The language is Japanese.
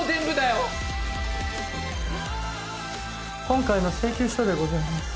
今回の請求書でございます。